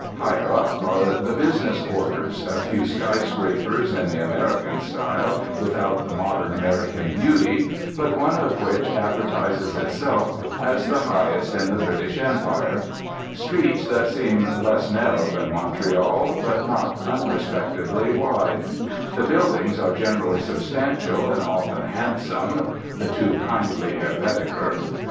Higher up are the business quarters, a few sky scrapers in the American style without the modern American beauty, but one of which advertises itself as the highest in the British Empire; streets that seem less narrow than Montreal, but not unrespectably wide; "the buildings are generally substantial and often handsome" (the too kindly Herr Baedeker).